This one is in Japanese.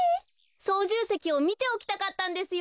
そうじゅうせきをみておきたかったんですよ。